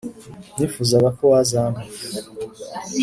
nifuzaga ko wazampa”